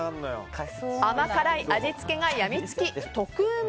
甘辛い味付けがやみつき特うま